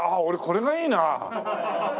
俺これがいいな。